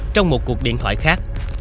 trong một cuộc điện thoại khác